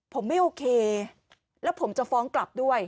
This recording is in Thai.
ผมไม่โอเคแล้วผมจะฟ้องกลับด้วย